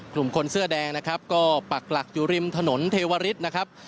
คนเสื้อแดงนะครับก็ปักหลักอยู่ริมถนนเทวริสนะครับ